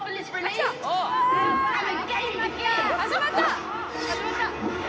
始まった！